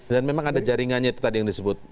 dan memang ada jaringannya itu tadi yang disebut